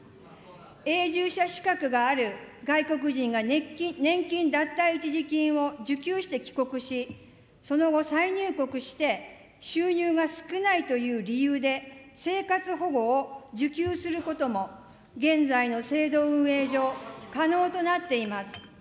永住者資格がある外国人が年金脱退一時金を受給して帰国し、その後、再入国して収入が少ないという理由で、生活保護を受給することも、現在の制度運営上、可能となっています。